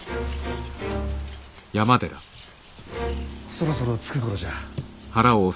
そろそろ着く頃じゃ。